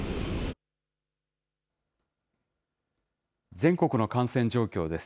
全国の感染状況です。